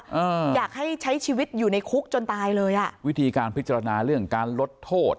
อยากให้ใช้ชีวิตอยู่ในคุกจนตายเลยอ่ะวิธีการพิจารณาเรื่องการลดโทษ